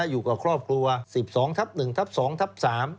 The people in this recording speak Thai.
อยู่กับครอบครัว๑๒ทับ๑ทับ๒ทับ๓